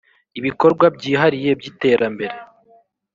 ibikorwa byihariye by’iterambere